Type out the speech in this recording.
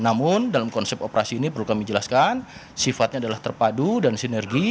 namun dalam konsep operasi ini perlu kami jelaskan sifatnya adalah terpadu dan sinergi